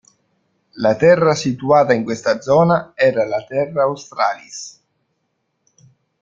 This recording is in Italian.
La terra situata in questa zona era la "Terra Australis".